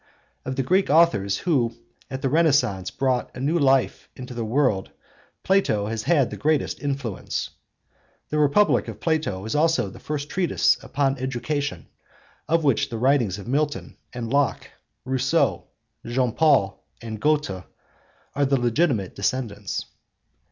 Of the Greek authors who at the Renaissance brought a new life into the world Plato has had the greatest influence. The Republic of Plato is also the first treatise upon education, of which the writings of Milton and Locke, Rousseau, Jean Paul, and Goethe are the legitimate descendants.